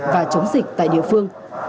và chống dịch tại địa phương